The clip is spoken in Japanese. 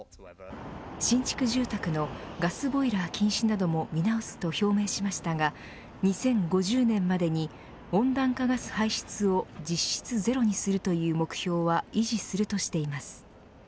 新築住宅のガスボイラー禁止なども見直すと表明しましたが２０５０年までに温暖化ガス排出を実質ゼロにするという目標は維持するとしています。